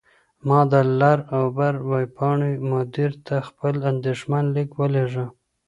ما د «لر او بر» ویبپاڼې مدیر ته خپل اندیښمن لیک ولیږه.